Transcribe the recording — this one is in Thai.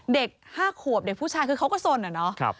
เด็ก๕ขวบเด็กผู้ชายคือเขาก็สนอะเนาะ